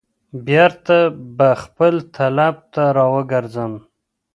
بیرته به خپل طلب ته را وګرځم.